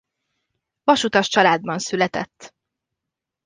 Vasutas családban született.